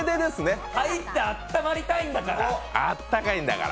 入って、あったまりたいんだから。